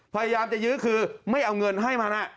พยายามจะยื้อคือไม่เอาเงินให้มัน